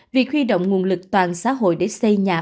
việc huy động nguồn lực toàn xã hội để xây nhà